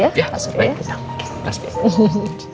ya baik pasti